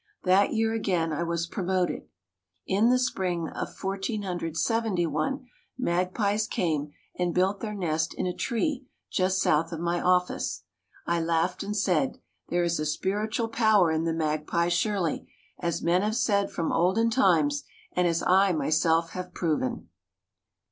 That year again I was promoted. In the spring of 1471 magpies came and built their nest in a tree just south of my office. I laughed and said, "There is a spiritual power in the magpie surely, as men have said from olden times and as I myself have proven."